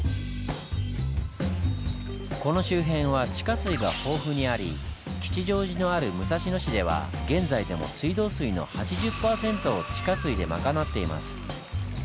この周辺は地下水が豊富にあり吉祥寺のある武蔵野市では現在でも水道水の８０％を地下水で賄っています。